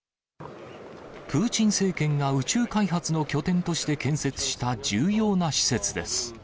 プーチン政権が宇宙開発の拠点として建設した重要な施設です。